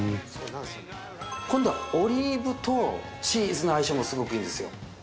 今度はオリーブとチーズの相性もすごくいいんですよ。